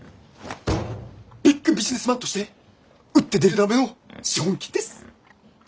ビッグビジネスマンとして打って出るための資本金です！